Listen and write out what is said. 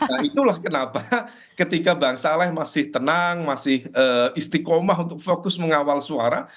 nah itulah kenapa ketika bang saleh masih tenang masih istiqomah untuk fokus mengawal suara